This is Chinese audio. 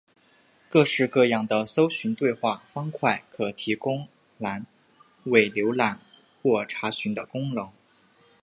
各式各样的搜寻对话方块可提供栏位浏览或查询的功能。